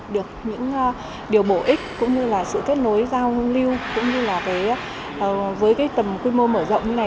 được những điều bổ ích cũng như là sự kết nối giao lưu cũng như là với cái tầm quy mô mở rộng như này